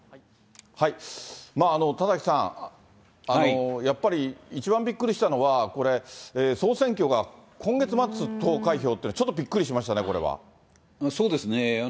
田崎さん、やっぱり一番びっくりしたのは、これ、総選挙が今月末投開票というのは、ちょっとびっくりしましたね、こそうですね。